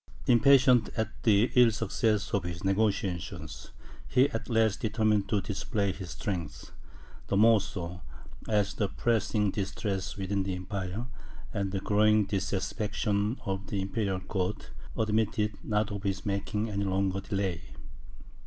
Impatient at the ill success of his negociations, he at last determined to display his strength; the more so, as the pressing distress within the empire, and the growing dissatisfaction of the Imperial court, admitted not of his making any longer delay.